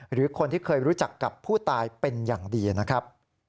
หรือคนที่เคยรู้จักกับผู้ตายเป็นอย่างดีนะครับ